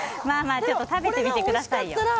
まあまあ、ちょっと食べてみてくださいよ。